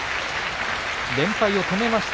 連敗を止めました。